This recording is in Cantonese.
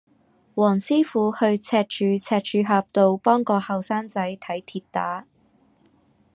黃師傅去赤柱赤柱峽道幫個後生仔睇跌打